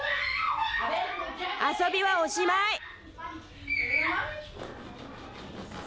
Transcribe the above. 遊びはおしまい。